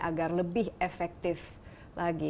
agar lebih efektif lagi